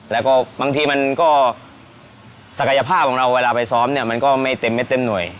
แล้วก็บางทีมันก็ศักยภาพของเราเวลาไปซ้อมเนี่ยมันก็ไม่เต็มไม่เต็มหน่วย